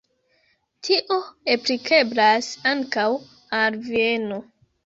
Tio aplikeblas ankaŭ al Vieno.